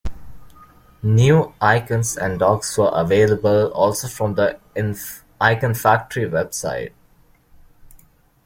New icons and docks were available also from the Iconfactory website.